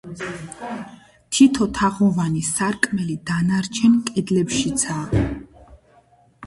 თითო თაღოვანი სარკმელი დანარჩენ კედლებშიცაა.